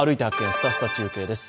すたすた中継」です。